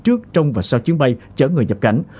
trước trong và sau chuyến bay chở người nhập cảnh